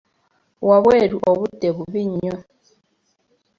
Wabweru obudde bubi nnyo.